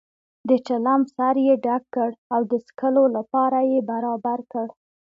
د چلم سر یې ډک کړ او د څکلو لپاره یې برابر کړ.